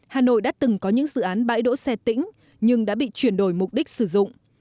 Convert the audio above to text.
hà nội đã từng có những dự án bãi đỗ xe tĩnh nhưng đã bị chuyển đổi mục đích sử dụng